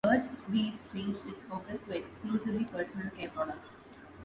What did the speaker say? Burt's Bees changed its focus to exclusively personal care products.